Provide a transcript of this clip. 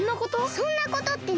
「そんなこと」ってなによ！